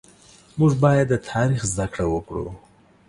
مونږ بايد د تاريخ زده کړه وکړو